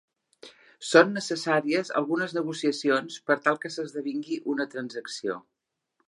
Són necessàries algunes negociacions per tal que s'esdevingui una transacció.